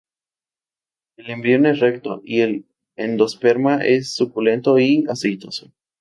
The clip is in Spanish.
El embrión es recto y el endosperma es suculento y aceitoso.